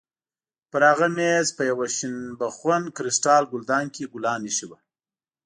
پر هغه مېز په یوه شنه بخون کریسټال ګلدان کې ګلان ایښي وو.